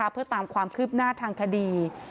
เพื่อตามความคืบหน้าทางคดี